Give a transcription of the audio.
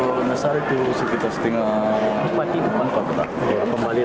kalau nassar itu sekitar setinggal